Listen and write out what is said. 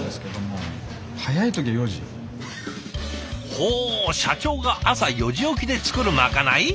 ほう社長が朝４時起きで作るまかない？